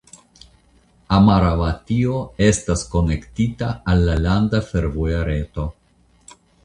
Amaravatio estas konektita al la landa fervoja reto.